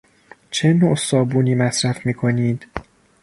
چه نوع صابونی مصرف میکنید؟